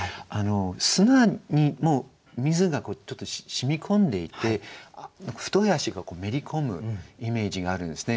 砂にもう水がちょっと染み込んでいて太い脚がめり込むイメージがあるんですね